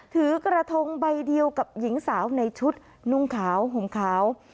ถือกระทงใบเดียวกับหญิงสาวในชุดนุ่งขาวห่มขาว